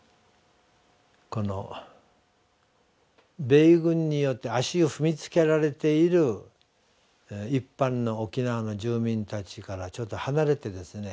米軍によって足を踏みつけられている一般の沖縄の住民たちからちょっと離れてですね